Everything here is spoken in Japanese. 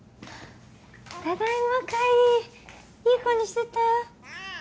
ただいま海いい子にしてた？